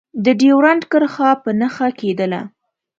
د ډیورنډ کرښه په نښه کېدله.